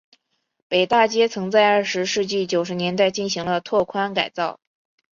北大街曾在二十世纪九十年代进行了拓宽改造。